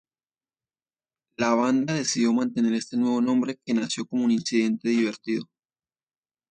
La banda decidió mantener este nuevo nombre, que nació como un incidente divertido.